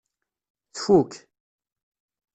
Tfuk.